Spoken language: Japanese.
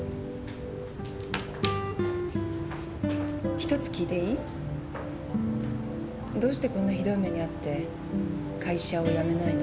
１つ聞いていい？どうしてこんなひどい目に遭って会社を辞めないの？